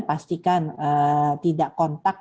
pastikan tidak kontak